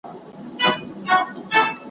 تر بور به وي پښېمانه د پېړیو له بدیو ,